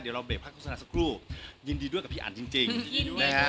เดี๋ยวเราเบรกภาคโศนาสักครู่ยินดีด้วยกับพี่อันจริงจริงยินดีด้วยนะฮะ